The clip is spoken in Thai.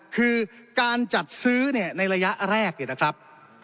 คือการจัดซื้อในระยะแรกนะครับ